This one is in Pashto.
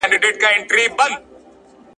سجاد د همدې مجلې مدیر دی.